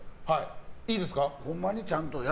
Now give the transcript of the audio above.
いいですか？